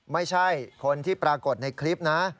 ไม่ใช่คนที่ปรากฏในคลิปนะ